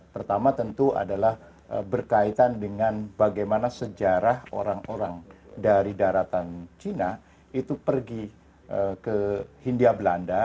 pertama tentu adalah berkaitan dengan bagaimana sejarah orang orang dari daratan cina itu pergi ke hindia belanda